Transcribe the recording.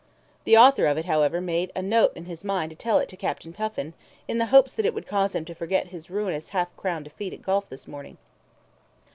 The author of it, however, made a note in his mind to tell it to Captain Puffin, in the hopes that it would cause him to forget his ruinous half crown defeat at golf this morning.